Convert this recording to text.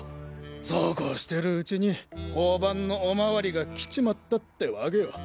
そうこうしてるうちに交番のお巡りが来ちまったってワケよ。